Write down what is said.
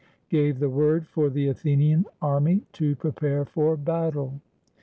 gave the word for the Athenian army to pre pare for battle.